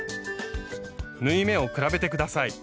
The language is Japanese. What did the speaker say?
縫い目を比べて下さい。